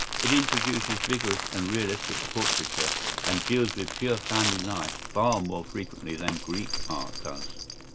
¬Ý It introduces vigorous and realistic portraiture and deals with pure family life far more frequently than Greek art does.